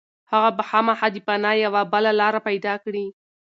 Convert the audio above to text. هغه به خامخا د پناه یوه بله لاره پيدا کړي.